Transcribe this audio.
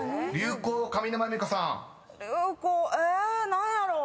「何やろう？」